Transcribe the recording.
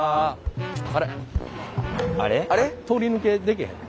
あれ通り抜けできへん。